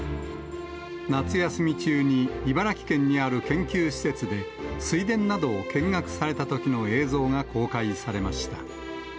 夏休み中に茨城県にある研究施設で水田などを見学されたときの映像が公開されました。